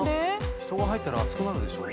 人が入ったら暑くなるでしょ？